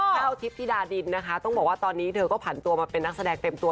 วทิพธิดาดินนะคะต้องบอกว่าตอนนี้เธอก็ผันตัวมาเป็นนักแสดงเต็มตัว